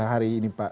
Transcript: hari ini pak